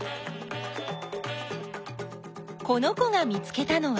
この子が見つけたのは？